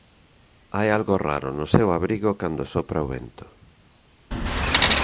Hai algo raro no seu abrigo cando sopra o vento.